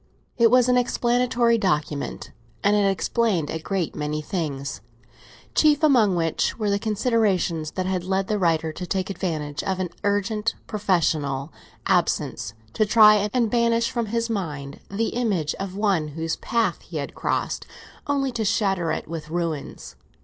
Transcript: It was an explanatory document, and it explained a great many things, chief among which were the considerations that had led the writer to take advantage of an urgent "professional" absence to try and banish from his mind the image of one whose path he had crossed only to scatter it with ruins.